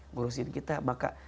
ngurusin kita maka